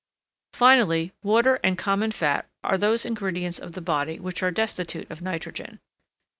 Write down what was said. Finally, water and common fat are those ingredients of the body which are destitute of nitrogen.